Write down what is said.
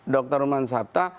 dr ruman sabta